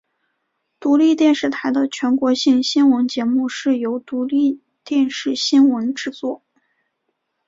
独立电视台的全国性新闻节目是由独立电视新闻制作。